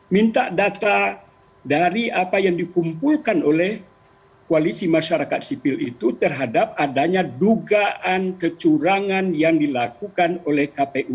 minta data dari apa yang dikumpulkan oleh koalisi masyarakat sipil itu terhadap adanya dugaan kecurangan yang dilakukan oleh kpu